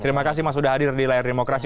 terima kasih mas sudah hadir di layar demokrasi